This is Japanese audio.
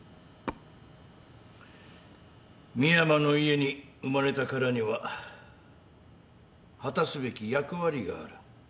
深山の家に生まれたからには果たすべき役割がある。